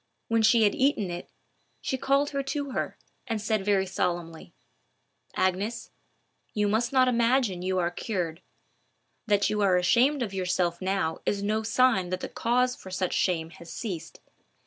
When she had eaten it, she called her to her, and said very solemnly,— "Agnes, you must not imagine you are cured. That you are ashamed of yourself now is no sign that the cause for such shame has ceased.